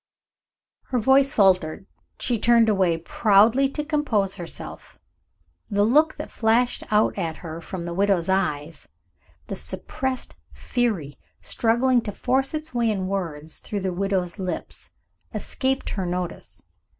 Her voice faltered. She turned away proudly to compose herself. The look that flashed out at her from the widow's eyes, the suppressed fury struggling to force its way in words through the widow's lips, escaped her notice.